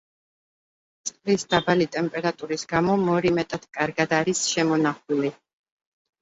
წყლის დაბალი ტემპერატურის გამო მორი მეტად კარგად არის შემონახული.